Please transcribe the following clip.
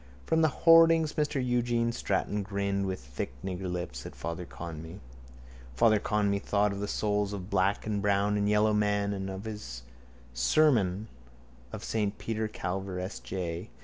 From the hoardings Mr Eugene Stratton grimaced with thick niggerlips at Father Conmee. Father Conmee thought of the souls of black and brown and yellow men and of his sermon on saint Peter Claver S. J.